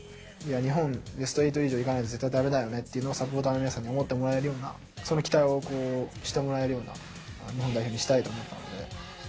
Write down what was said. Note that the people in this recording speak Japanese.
日本、ベスト８以上いかないと絶対だめだよねっていうのを、サポーターの皆さんに思ってもらえるような、その期待をしてもらえるような日本代表にしたいと思ってますので。